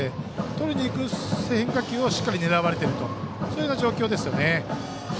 とりにいく変化球を、しっかり狙われている状況ですよね。